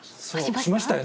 しましたよね？